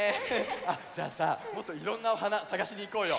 あじゃあさもっといろんなおはなさがしにいこうよ！